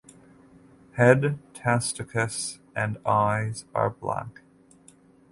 Head testaceous and eyes are black.